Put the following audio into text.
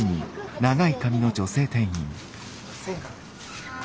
はい。